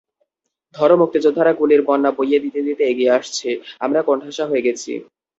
ধরো মুক্তিযোদ্ধারা গুলির বন্যা বইয়ে দিতে দিতে এগিয়ে আসছে, আমরা কোণঠাসা হয়ে গেছি।